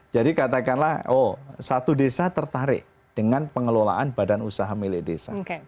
jadi katakanlah oh satu desa tertarik dengan pengelolaan badan usaha milik desa